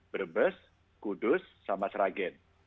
brebes kudus sama sragen